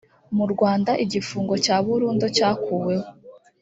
mu rwanda igifungo cya burundu cyakuweho